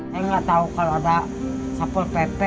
saya nggak tahu kalau ada sapul pp